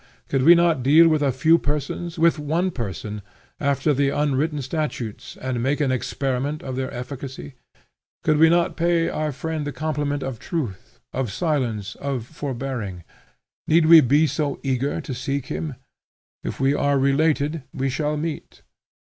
Could we not deal with a few persons, with one person, after the unwritten statutes, and make an experiment of their efficacy? Could we not pay our friend the compliment of truth, of silence, of forbearing? Need we be so eager to seek him? If we are related, we shall meet.